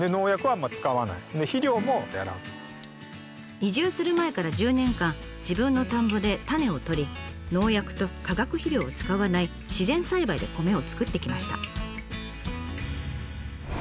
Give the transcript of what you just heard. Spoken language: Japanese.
移住する前から１０年間自分の田んぼで種を採り農薬と化学肥料を使わない自然栽培で米を作ってきました。